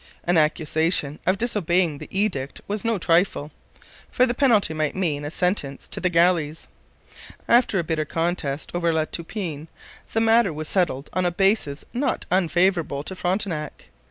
An accusation of disobeying the edict was no trifle, for the penalty might mean a sentence to the galleys. After a bitter contest over La Toupine the matter was settled on a basis not unfavourable to Frontenac.